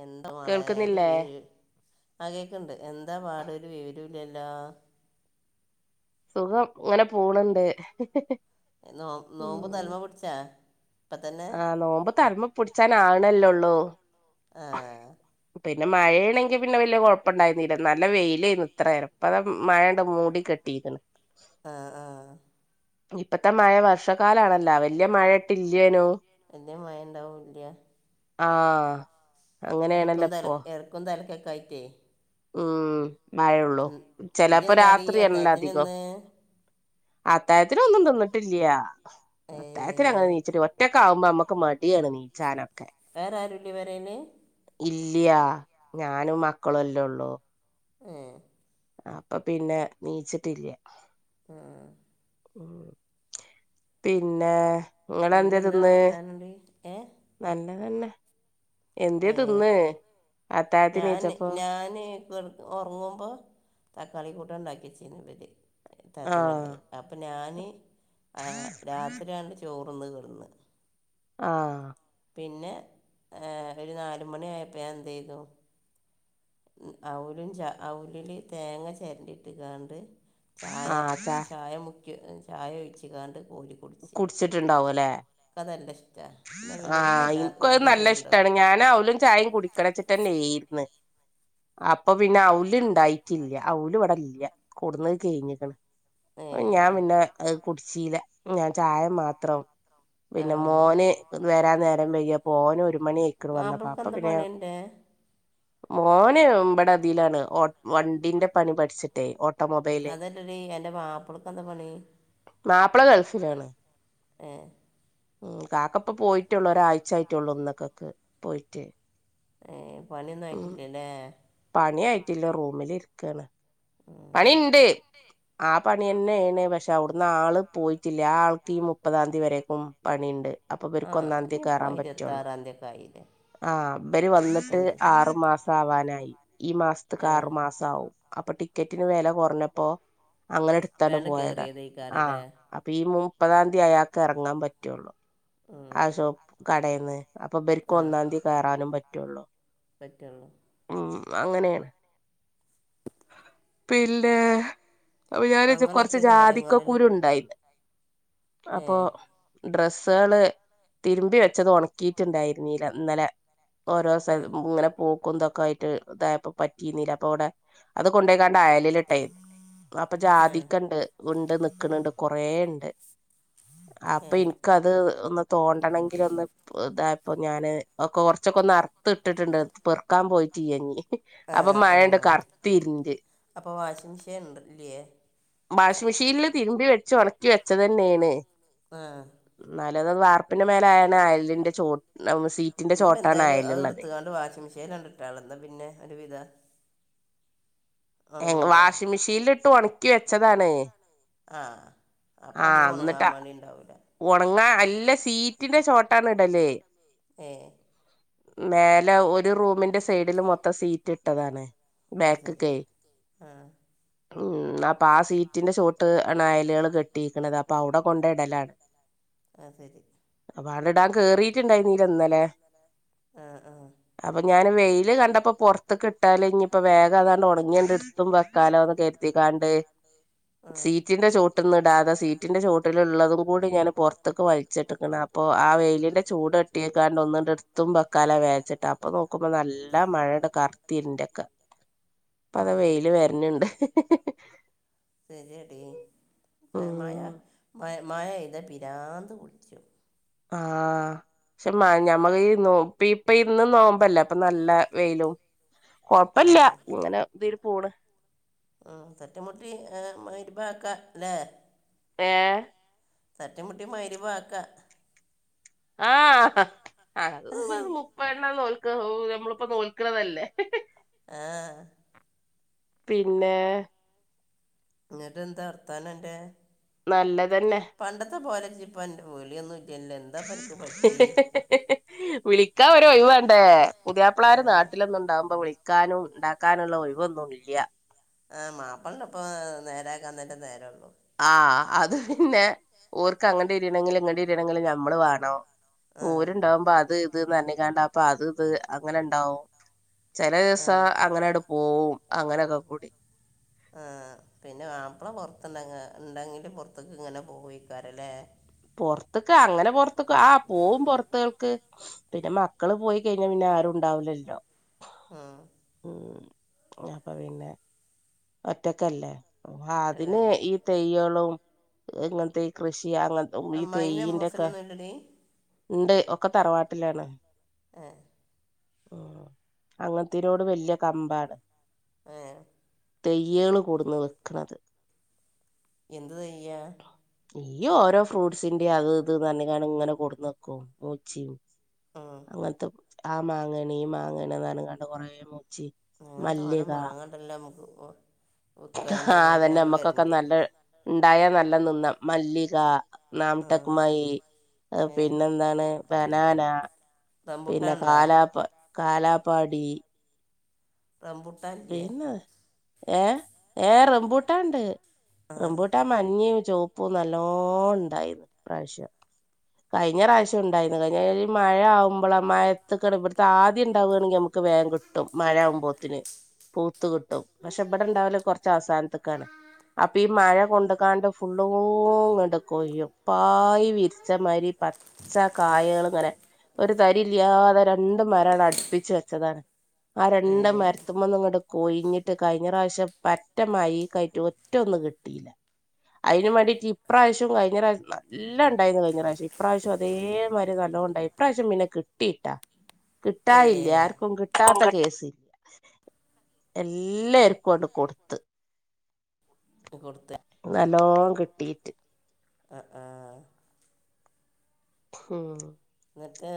എന്താ മളയാല് വ ആകൊക്കെുണ്ട് എന്താ പാടല് വേര് ഇ ഇില സുഖം ഇങ്ങനെ പൂണണ്ട് നോ നോമ്പ് നലമ പിൊടിച്ചാ ആഹ നോമ്പ് തരമ പിടിച്ചാന ആണല്ലോള്ളൂ ആഹ പിന്നെ മഴയണെങ്കിൽ പിന്നെ വലിയ കുഴപ്പമണ്ടായിുന്നില്ല നല്ല വെയിലായിരുന്നു ഇത്രയംപ്പം അത മഴണ്ട് മൂടി കെട്ടി ീക്കാണ് ആഹ ആഹ ഇപ്പത്തെ മഴ വർഷകാലാണല്ല വല്യ മഴ ഇട്ട് ഇല്ലയേനോ എത മയണ്ടാവല്ല ആഹ ഇറക്കും തല ഇറക്കും തലക്കൊക്കെ ആയിറ്റേ ഉം മഴയള്ളൂ ചിലപ്പോ രാത്രിയാണല്ല അധികം അത്തായത്തിന ഒന്നും തിന്നിട്ടില്ല അത്തായത്തിന അങ്ങനെ നീച്ചിട്ട് ഒറ്റക്ക ആുമ്പ അമ്മക്ക് മട്ടിയാണ് നീ ചാനൊക്കെ വേറെ ആരുല്ലി വരന ഇല്ലയാ ഞാനും മക്കള എല്ലേ ഉള്ളൂ ആ അപ്പൊ പിന്നെ നീച്ചിട്ടില്ല ആഹ ഉ പിന്നെ പിന്നെന്താ വർത്താനുണ്ട് ഏ അന്നെ എന്ന്ത്യ തിന്ന് ഞാൻ ഞാന് ഉറങ്ങുമ്പോ കള കൂട്ടം ഉണ്ടാക്കി ചെയ്യുന്ന ഇര് തത്തിനുള്ളത് അപ്പം ഞാന് ആ രാത്രി ആണ്ട് ചോറന്ന് കിടന്ന് ആഹ പിന്നെ ഒരു നാലു മണി ആയപ്പോൾ എന്ത് ചെയ്തു അവലും ച അവലില് തേങ്ങ ചിരണ്ടി ഇട്ട് കാണ്ട് ചായ ചായ മുക്ക ചായ ഒഴിച്ചു കാണ്ട് കുടിച്ചിട്ടുണ്ടാവു അല്ലെ ആഹ എനക്ക്ത് നല്ല ഇഷ്ടമാണ് ഞൻ അവലും ചായയും കുടിക്കടച്ചിട്ട്ന്നെ ആയിന്ന് അപ്പൊ പിന്നെ ഔല ഇണ്ടായിട്ടില്ല ഔല ഇവിട ഇല്ല കൂടന്ന് കഴിഞ്ഞിക്കണ് ഞാൻ പിന്നെ കുടിച്ചില ഞാൻ ചായ മാത്രം പിന്നെ മോന് വരാൻ നേരം വൈ പോന ഒരു മണി ഏക്കർ വന്ന പാപ്പ പിന്നെ മോനെ ഇടെ അതിലാണ് വണ്ടിന്റെ പണി പഠിച്ചിട്ടെ അതല്ലടി എന്റെ മാപ്പിളക്ക എന്താ പണി ഏ ഉ കാക്കപ്പ പോയിട്ടുള്ളൂ ഒരാഴ്ച ആായിട്ടള്ളൂ ഒന്നൊക്കക്ക് പോയിട്ടേ ഏ പണിയൊന്നും ആയിട്ടില്ലല്ലേ റൂമിൽ ഇരിക്കാണ് പണിുണ്ട് പണി തന്നെയാണ് പക്ഷെ അവിടുന്ന് ആള് പോയിട്ടില്ല ആ ആൾക്ക് ഈ മുപ്പതാം തീയതി വരക്കും പണിയുണ്ട് അപ്പൊ ഇവർക്കൊന്നാം തീയതി ക കേയറാൻ പറ്റുള്ളൂ ആഹ ഇര് വന്നിട്ട് ആറു മാസം ആവാനായി ഈ മാസത്തക്ക് ആറു മാസം ആവും അപ്പൊ ടിക്കറ്റിന് വില കുറഞ്ഞപ്പോ അങ്ങനെ എടുത്താണ് പോയതാണ് ആഹ് അപ്പൊ ഈ മുപ്പതാം തീയതി അയാൾക്ക് ഇറങ്ങാൻ പറ്റുള്ളു ആ ഷോ പ്പ് കടയിന്ന് അപ്പൊ ഇവരിക്കും ഒന്നാം തീയതി കയറാനും പറ്റുള്ളൂ പറ്റുള്ളൂ ഉ അങ്ങനെയാണ് പിന്നെ അ ഞാൻ കൊറച്ച് ജാതിക്കക്കൂരു ഉണ്ടായിന്ന് അപ്പൊ ഡ്രെസ്സുകള് തിരുമ്പി വെച്ചത് ഉണക്കിയിട്ടുണ്ടായിരുന്നില്ല ഇന്നലെ ഓരോ സ്ഥലത്തു ഇങ്ങനെ പോവും കുന്തൊക്കെ ആയിട്ട് ഇത പറ്റീ അപ്പൊ അവിടെ അത് കൊണ്ട ണ്ടായലിലിട്ടേ അപ്പൊ ജാതിക്കണ്ട് ഉണ്ട് നക്കണണ്ട് കൊറേ ഉണ്ട് അപ്പൊ എനിക്കത് ഒന്നു തോണ്ടണമെങ്കിൽ ഒന്ന് ഇതായ ഇപ്പൊ ഞാാന് ഒ കുറച്ചൊക്കെ ഒന്ന് അർത്ത് ഇട്ടിട്ടുണ്ട് പെറുക്കാൻ പോയി ി അപ്പൊ മഴണ്ട് കറുത്തി ഇരുണ്ട് വാഷിംഗ മെഷീനിില് തിരുമ്പി വെച്ച് ഉണക്കി വെച്ചത് തന്നെയാണ് ആഹ അത് വാർപ്പിന്റെ മേലായാണ് അയലിന്റെ ചൂട് ഇപ്പ എന്തായാലും അതെടു ത്തുകാണ്ട് വാഷിംഗ മെഷനിൽ കൊണ്ടിട്ടു പിന്നെ ഒരു വധം വാഷിംഗ മെഷീനിലിട്ട് ഉണക്കി വെച്ചതാണ് ആ ആഹ എന്നിട്ടാ ഉണങ്ങിയത് ഇ ല്ല സീറ്റിന്റെമോളിൽ ഇടണത് ഏ മേലെ ഒരു റൂമിന്റെ സൈഡില് മൊത്തം സീറ്റ് ഇട്ടതാണ് അ ശരി ആഹ ഉം അപ്പൊ ആ സീറ്റിന്റെ ചുവട്ടിലാണ് അയകൾ കെട്ടിയിരിക്കണുന്നത് അപ്പൊ അവിടെ കൊണ്ട്‌ ഇടലാണ് അവി ടെ ഇടാൻ കേറിീട്ടുണ്ടായി രുന്ന് നീല ഇന്നലെ ആഹ ആഹ അപ്പൊ ഞാാന് വെയിയില് കണ്ടപ്പോ പുറത്ത് ഇ ട്ടാല് ഇനിയിപ്പോ വേഗം അതങ്ങു ഉണങ്ങിഎടുത്തും വെക്കാലോന്ന് കരുതി ഇടാണ്ട് ണ്ട് സീറ്റിന്റെ ചോട്ടൊന്നും ഇടാതെ സീറ്റിന്റെ ചോട്ടിലുള്ള കൂട് ഞൻ പുറത്തേക്ക് വലിച്ചിട്ട്ടു അപ്പൊ ആ വെയിലിന്റെ ചൂട് തട്ടി എടുത്തും വക്കാലോ വിചാരിച്ചിട്ട അപ്പൊ നോക്കുമ്പോ നല്ല മഴയുടെ കറത്തിരുണ്ടൊക്കെ അപ്പ അത വെയില് വരണണ്ട് ശരിയടി മ മ മഴ പെയ്ത ഫ്രാന്ത് പിടിക്കും ആഹ പക്ഷെ ഞമ്മക്കി നോക്കീം ഇപ്പ ഇന്ന് നോമ്പല്ല അപ്പൊ നല്ല വെയിലും കൊഴപ്പല്ല ഇങ്ങനെ ഇരി പോണ് ഉ തെറ്റമുട്ടിർ മരിഭക്ക അല്ലേ പേ തട്ടിമുട്ടി മരി വാക്ക [inaudible] ആഹ അത് മുപ്പത് എണ്ണം തോൽ നമ്മളിപ്പോ തോൽക്കണതല്ലേ ആഹ പിന്നെ ഇങ്ങിട്ട് എന്താ വർത്താനം എന്റെറെ നല്ലത് പണ്ടത്തെ പോലെ ഇപ്പ എന്റെ വീളിയൊന്നുഇ ല്ലാ ഹ ഹ ഹ വിളിക്കാൻ ഒരു ഒ ഴി വു വേണ്ടേ പുതിയാമ്പി ള്ളേർ നാട്ടിലൊന്നുണ്ടാവുമ്പോ വിളിക്കും വിളിക്കാനും ഉണ്ടാക്കാനുള്ള ഒഴിവൊന്നുമി. ല്ല ആ മാപ്പിളനു ഇപ്പ നേരെആക്കാൻതന്നെ നേരേള്ളു ആ അത് പിന്നെ ഓർക്ക് അങ്ങടടു തി രിയണമെങ്കിലും ഇങ്ങടടു തി രിയണമെങ്കിലും ഞമ്മള് വേണം ഊരുണ്ടാവുമ്പോ അത് ഇത് നന്ദികേട് അത് ഇത് അങ്ങനെ ഇണ്ടാവും ചില ദിവസം അങ്ങനടങ്ങട് പോവും അങ്ങനെയൊക്കെ കൂടി ആ പിന്നെ മാപ്പള പൊറത്തുണ്ടെങ്കിൽ ഉണ്ടെങ്കില് പുൊറത്തേക്ക് ഇങ്ങനെ പോവക്കാാരല്ലേ പോറത്തക്ക് അങ്ങനെ പോറത്തേക്ക ആ പോവും പുറത്തുകൾക്ക് പിന്നെ മക്കള് പോയി കഴിഞ്ഞ പിന്നെ ആരുണ്ടാവുല്ലല്ലോ അപ്പൊ പിന്നെ ഒറ്റക്കല്ലേ അതിന് ഈ തെയ്യളും ഇങ്ങനത്തെ ഈ കൃഷി ഈ അങ്ങത്തും ഈ തെയന്റെ ഒക്കെ ഇണ്ട് ഒക്കെ തറവാട്ടിലാണ് [unintelligible] അങ്ങനത്തിനോട് വലിയ കമ്പാണ് ആഹ തെയ്യേള് കൂടുന്ന് വെക്കണുന്നത് എന്ത് തോയ്യ ഈ ഓരോ ഫ്രൂട്ട്സിന്റെയും അത് ഇത് പറഞ്ഞിക്ക ണ്ട് ഇങ്ങനെ കൊടുന്നക്കും മൂച്ചയും അങ്ങനത്തെ ആ മാങ്ങണ് ഈ മാങ്ങണ് പറഞ്ഞണ്ട് കൊറെ മു ഞങ്ങ തോന മാങ്ങണ്ടല്ലേ നമുക്ക് ആഹ അതന്നെ നമ്മുക്കൊക്കെ നല്ല ഉണ്ടായ നല്ല ല്ല നിന്ന മല്ലിക [unintelligible] പിന്നെന്താണ് ബനാന പിന്നെ കാലാപ കാലാപ്പാടി റംബൂട്ടാൻ ഇല്ലയേ ഏ ഏ റംബൂട്ടൻ ഉണ്ട് റംബൂട്ടാ മഞ്ഞി ചുവപ്പും നല്ലോണം ഇണ്ടായിന്ന് ഈ പ്രാവശ്യം കഴിഞ്ഞ പ്രാവശ്യം ഉണ്ടായിരുന്നു കഴിഞ്ഞഴ മഴ ആവുമ്പോൾ മഴക്ക ഇവിടുത്തെ ആദ്യം ഉണ്ടാവുകയാണെങ്കിൽ നമുക്ക് വേം കിട്ടും മഴ ആകുമ്പോത്തിന് പൂത്ത് കിട്ടും പക്ഷെ ഇവിടെണ്ടാവലേ കൊറച്ച അവസാനത്തക്കാണ് അപ്പൊ ഈ മഴ കൊണ്ട കാണ്ട് ഫുള്ളും എടുക്കയ്യ പായ വിരിച്ചമാതിരി പ പച്ച കായകൾ ഇങ്ങനെ ഒരു തരി ഇല്ലാതെ രണ്ട് മരമാണ് അടുപ്പിച്ച് വെച്ചതാണ് ആ രണ്ട് മര ട് കൊഴഞ്ഞിട്ട് കഴിഞ്ഞ പ്രാവശ്യം പറ്റമായി കയറ്റ് ഒറ്റ ഒന്നും കിട്ടിയില്ല അയിന് വേണ്ടിട്ട് ഇപ്രാവശ്യം കഴിഞ്ഞ പ്രാവശ്യം നല്ലോം ഉണ്ടായിരുന്നു കഴിഞ്ഞ പ്രാവശ്യം ഇപ്രാവശ്യം അതേമാതിരി നല്ല [unintelligible] പിന്നെ കിട്ടിയിട്ടാ കിട്ടായില്ല ആർക്കും കിട്ടാത്ത കേസല്ല എല്ലാർക്കുണ്ട് കൊടുത്ത് നല്ലേ കിട്ടിട്ട് ആ ആ എന്നത്തെ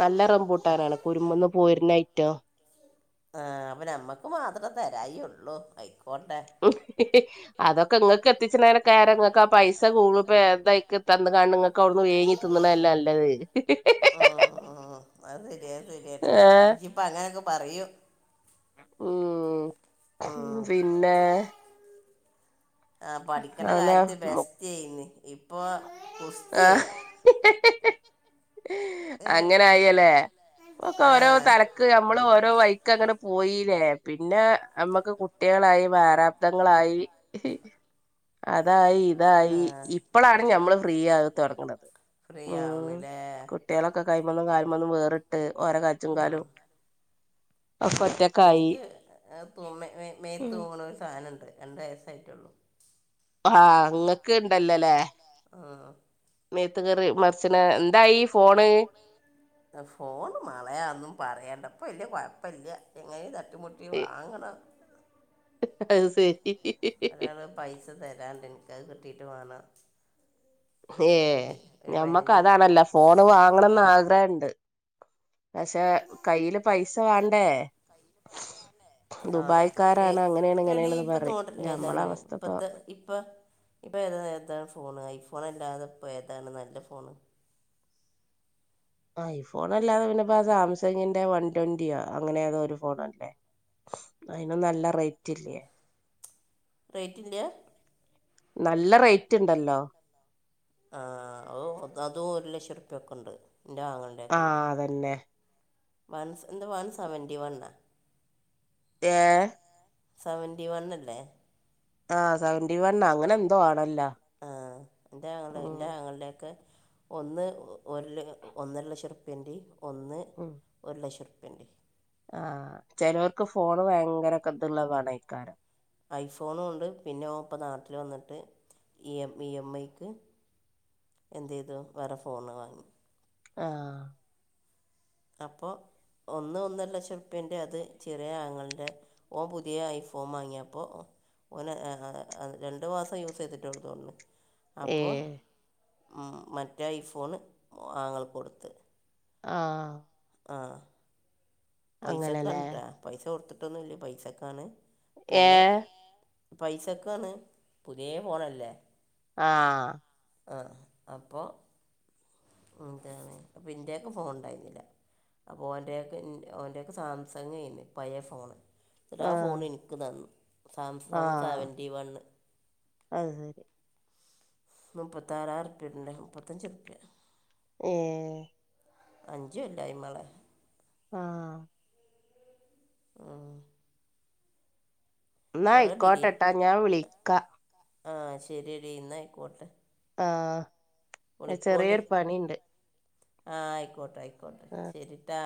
നല്ല റംമ്പൂട്ടാനാണ് കുരുമെന്ന് പോയിരുന്നഐറ്റോ ആഹ് അപ്പൊ നമ്മക്ക് മാത്ര തരായിളും ആയിക്കോട്ടെ അതൊക്കെ ഇങ്ങൾക്ക് എത്തിച്ചരക്കെരങ്ങക്ക് ആ പൈസ ഗൂൾപേ ങ്ങക്ക് അവിടുന്ന് വേങ്ങി തിന്നണല്ല നല്ലത് അത് [unintelligible] അങ്ങനെയൊക്കെ പറയൂ പിന്നെ ആഹ പഠിക്കണ കാര്യത്തില് ബെസ്റ്റിനി ഉപുഷ്ടിയേ അങ്ങനെയില്ലേ ഒക്കെ ഓരോ തലക്ക് നമ്മള് ഓരോ വൈ ക്ക് അങ്ങെ പോയില്ലേ പിന്നെ നമ്മക്ക് കുട്ടികളായി വാരാബ്ദങ്ങളായി അതായി ഇതായി ഇ നമ്മൾ ഫ്രീയായി തൊടങ്ന്നത് കാലമന്നും വേറിട്ട് ഓരോ കാഴച്ചും കാലും എനിക്ക് [unintelligible] തൂങ്ങണ ഒരു സാധനണ്ട് രണ്ട് വയസ്സായിട്ടുള്ളൂ ആ അങ്ങക്ക് ഇണ്ടല്ലോല്ലേ മേത്ത് കെറേവും. ഫോണ് മാളെയന്നും പറയണ്ട പ്പവെല്ല്യ കൊയ പ്പല്ല്യ എങ്ങനേം തട്ടിമുട്ടി വാങ്ങണം. ഒരാള് പൈസ തരാണ്ട് എനക്കത് കിട്ടീട്ട് വേണം ഏ ഞമ്മക്ക് അതാണല്ല ഫോണ് വാങ്ങണന്ന് ആഗ്രഹണ്ട്. പഷെ കയ്യില് പൈസ വേണ്ടേ? എടി എടി ഇപ്പത്തമോഡല് ഏതാണ് ഇപ്പത്തെ ഇപ്പ ഇപ്പ ഏതാ ഏത്താ ഫോണ് ഐഫോൺ അല്ലാതെ ഇപ്പോ ഏതാണ് നല്ല ഫോണ്? ഐ ഫോണ് അല്ലാതെ പിന്നെപ്പ സാംസങിന്റെ വൺ ട്വന്റിയോ അങ്ങനെ യേതോ ഒരു ഫോണല്ലേ? അയിന് നല്ല റേറ്റ് ഇല്ലേ? നല്ല റേ ആ ഓ അതതും ഒരു ലക്ഷം റുപ്യക്കൊണ്ട്. ആ അതന്നെ. വൺ സ് എന്ത വൺ സെവൻറി വണ്ണാ? ഏ? സെവന്റി വൺ അല്ലേ? ആ സെവന്റി വൺ അങ്ങനെന്തോ ആണല്ലോ. ആ എന്റെ ആങ്ങള എന്റെ ആങ്ങൾടെയെക്കെ ഒന്ന് ഒരു ഒന്നര ലക്ഷം ഉറുപെന്റേം ഒന്ന് ഒരു ലക്ഷംറു പ്പിണ്ടി. ആ ചെലോർക്ക് ഫോണ് ഭയങ്കരക്ക ഇതുള്ളവേണായ്ക്കാരം. ഐഫോണും ഉണ്ട് പിന്നെ ഓപ്പ നാട്ടില് വന്നിട്ട് ഇ എം ഇ എം ഐക്ക് എന്തേയ്തു വേറെ ഫോണ് വാങ്ങി. ആ അപ്പോ ഒന്ന് ഒന്നര ലക്ഷം റുപ്യേന്റെ അത് ചെറിയ ആങ്ങൾന്റെ ഓൻ പുതിയ ഐഫോൺ വാങ്ങിയപ്പോ ഓനെ രണ്ടു മാസം യൂസ്യയ്തിട്ടെ ഉള്ളോന്നണ്. ഏ മറ്റേ ഐഫോണ് ആങ്ങൾക്ക് കൊടുത്ത്. ആ ആ പൈസക്കാണ് ട്ടാ പൈസ കൊടുത്തിട്ടൊന്നുല്ലേ പൈസക്കാണ്. പിന്നെ പൈസക്കണ് പുതിയേ ഫോണല്ലേ. ആ ആ അപ്പോ എന്താണ് അപ്പൻന്റെക്ക ഫോൺണ്ടായിരുന്നില്ല. അപ്പൊ ഓന്റെയക്കെ ഓന്റെയൊക്കെ സാംസങ്ങായ്ന് പയേ ഫോണ്. ന്നിട്ടാഫോണ് എനിക്ക് തന്നു. Samsung seventy one. മുപ്പത്താറായിരം റുപ്യ ഇടണ്ടെ മുപ്പത്തഞ്ച് റുപ്യ. ഏ. അഞ്ചുല്ലായ്മളെ. ആ ഉം ന്നായികോട്ടെട്ടോ ഞാൻ വിളിക്കാ. ആ ശരിടി ഇന്നായിക്കോട്ടെ. ആ ചെറിയൊരു പണിണ്ട്. ആ ആയിക്കോട്ടെ ആയിക്കോട്ടെ ശരിട്ടാ.